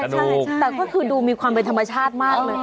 ใช่แต่ก็คือดูมีความเป็นธรรมชาติมากเลย